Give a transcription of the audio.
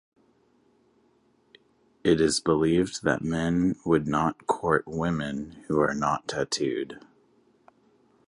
It is believed that men would not court women who are not tattooed.